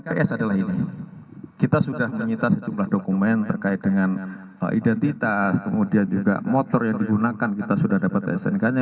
bps adalah ini kita sudah menyita sejumlah dokumen terkait dengan identitas kemudian juga motor yang digunakan kita sudah dapat snk nya